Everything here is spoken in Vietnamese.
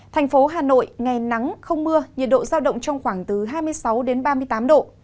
thành phố hà nội ngày nắng không mưa nhiệt độ giao động trong khoảng từ hai mươi sáu ba mươi tám độ